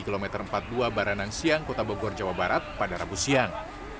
kilometer empat puluh dua baranang siang kota bogor jawa barat pada rabu siang